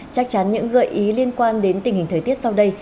chắc chắn những gợi ý liên quan đến tình hình thời tiết sau đây